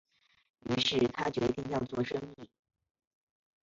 於是他决定要做生意